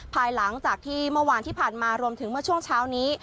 ภายหลังจากที่เมื่อวานที่ผ่านมารวมถึงเมื่อช่วงเช้านี้